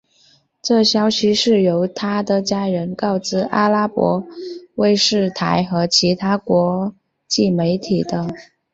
这消息是由他的家人告知阿拉伯卫视台和其他国际媒体的。